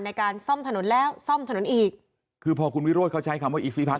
ในการซ่อมถนนแล้วซ่อมถนนอีกคือพอคุณวิโรธเขาใช้คำว่าอีซีพัด